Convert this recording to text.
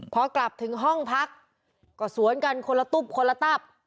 พอกลับถึงห้องพักก็สวนกันคนละตุ๊บคนละตับ